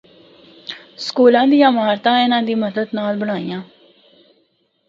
سکولاں دیاں عمارتاں اِناں دی مدد نال بنڑائیاں۔